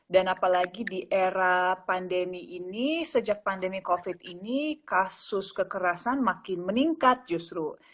dan apalagi di era pandemi ini sejak pandemi covid ini kasus kekerasan makin meningkat justru